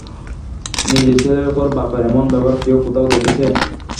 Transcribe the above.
নিজের ছেলের উপর বাপের এমন ব্যবহার কেউ কোথাও দেখেছে?